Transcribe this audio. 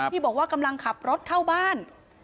ที่บอกว่ากำลังขับรถเข้าบ้าน